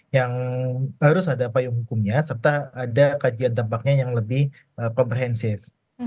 yang harus ada payung hukumnya serta ada kajian dampaknya yang lebih komprehensif